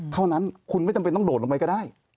เท่านั้นคุณไม่จำเป็นต้องโดดลงไปก็ได้